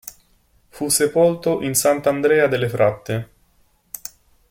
Fu sepolto in Sant'Andrea delle Fratte.